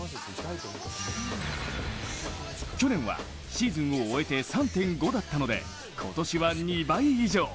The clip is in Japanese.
去年はシーズンを終えて３．５だったので今年は２倍以上。